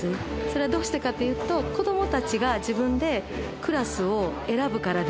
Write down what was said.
それはどうしてかというと子どもたちが自分でクラスを選ぶからです。